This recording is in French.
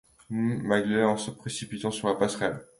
hn Mangles en se précipitant sur la passerelle.